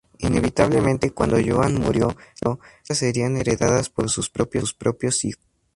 Inevitablemente, cuándo Joan murió, las tierras serían heredadas por sus propios hijos.